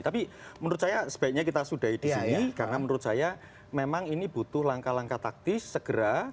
tapi menurut saya sebaiknya kita sudahi di sini karena menurut saya memang ini butuh langkah langkah taktis segera